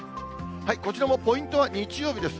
こちらもポイントは日曜日です。